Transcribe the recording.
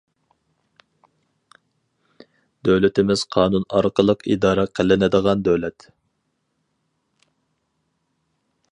دۆلىتىمىز قانۇن ئارقىلىق ئىدارە قىلىنىدىغان دۆلەت.